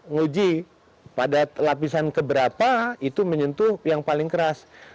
nguji pada lapisan keberapa itu menyentuh yang paling keras